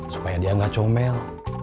supaya dia nggak comel